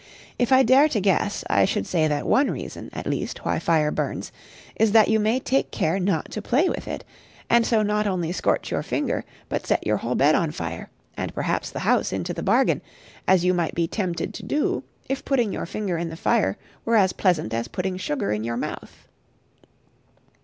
If I dare to guess, I should say that one reason, at least, why fire burns, is that you may take care not to play with it, and so not only scorch your finger, but set your whole bed on fire, and perhaps the house into the bargain, as you might be tempted to do if putting your finger in the fire were as pleasant as putting sugar in your mouth.